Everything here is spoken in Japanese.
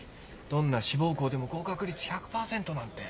どんな志望校でも合格率１００％なんて。